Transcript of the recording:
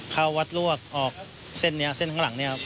เข้าวัดลวกออกเส้นทางหลังนี้ครับ